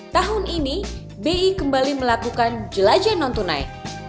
tahun ini bi kembali melakukan jelajah non tunai